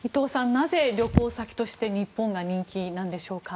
なぜ旅行先として日本が人気なんでしょうか。